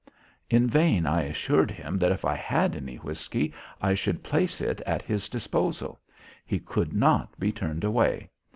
In vain I assured him that if I had any whisky I should place it at his disposal. He could not be turned away.